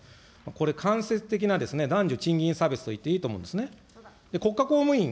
これ、間接的な男女賃金差別と言っていいと思うんですね。